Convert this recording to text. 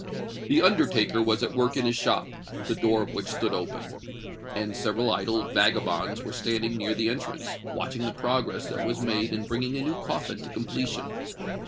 The undertaker was at work in his shop, the door of which stood open; and several idle vagabonds were standing near the entrance, watching the progress that was made in bringing a new coffin to completion.